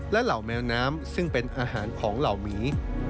และเหล่าแมวน้ำซึ่งเป็นอาหารของเหล่าหมี